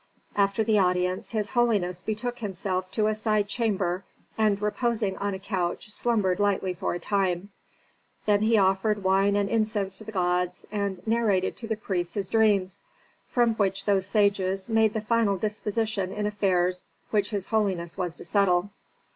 After the audience his holiness betook himself to a side chamber and reposing on a couch slumbered lightly for a time; then he offered wine and incense to the gods, and narrated to the priests his dreams, from which those sages made the final disposition in affairs which his holiness was to settle.